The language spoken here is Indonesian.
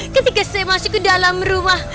ketika saya masuk ke dalam rumah